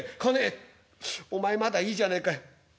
「お前まだいいじゃねえかよ。